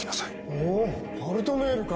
おお「パルトネール」か！